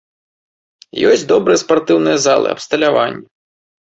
Ёсць добрыя спартыўныя залы, абсталяванне.